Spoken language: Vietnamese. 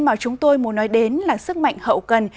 mà chúng tôi muốn nói đến là sức mạnh hậu cần